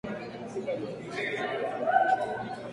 Uno de los principales fue el fuerte General Roca.